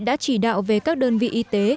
đã chỉ đạo về các đơn vị y tế